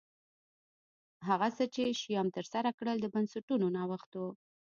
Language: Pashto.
هغه څه چې شیام ترسره کړل د بنسټونو نوښت و